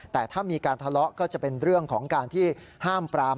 แต่ถ้ามีการทะเลาะก็จะเป็นเรื่องของการที่ห้ามปราม